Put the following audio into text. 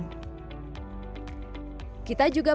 kita juga perlu memakai sunscreen untuk melindungi kandung mata